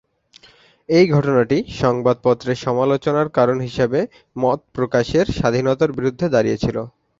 এই ঘটনাটি সংবাদপত্রের সমালোচনার কারণ হিসাবে মত প্রকাশের স্বাধীনতার বিরুদ্ধে দাঁড়িয়েছিল।